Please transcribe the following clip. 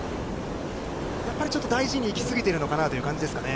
やはりちょっと大事にいき過ぎてるのかなという感じですかね。